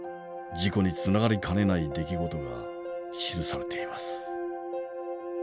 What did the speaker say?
事故につながりかねない出来事が記されています。